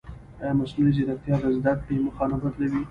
ایا مصنوعي ځیرکتیا د زده کړې موخه نه بدلوي؟